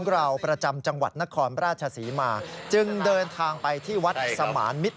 ราชศรีมาจึงเดินทางไปที่วัดสมานมิตร